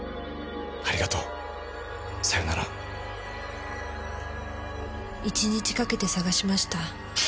「ありがとう。さよなら」１日かけて捜しました。